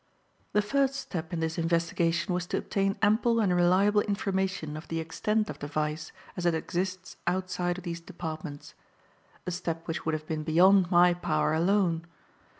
"The first step in this investigation was to obtain ample and reliable information of the extent of the vice as it exists outside of these departments a step which would have been beyond my power alone.